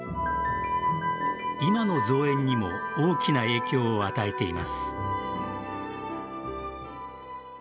今の造園にも大きな影響を与えています。